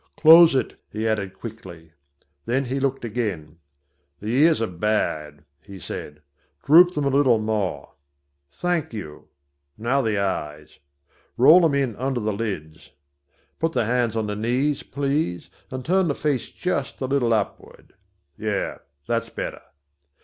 "Close it," he added quickly. Then he looked again. "The ears are bad," he said; "droop them a little more. Thank you. Now the eyes. Roll them in under the lids. Put the hands on the knees, please, and turn the face just a little upward. Yes, that's better.